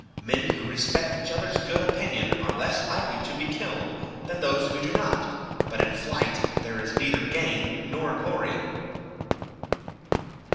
Men who respect each other's good opinion are less likely to be killed than those who do not, but in flight there is neither gain nor glory."